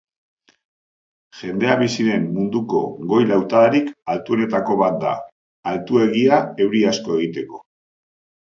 Jendea bizi den munduko goi-lautadarik altuenetako bat da, altuegia euri asko egiteko.